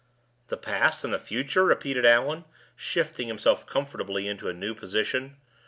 "The past and the future?" repeated Allan, shifting himself comfortably into a new position.